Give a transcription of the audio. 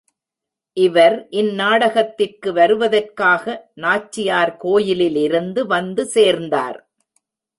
இவர் இந்நாடகத்திற்கு வருவதற்காக, நாச்சியார் கோயிலிலிருந்து வந்து சேர்ந்தார்.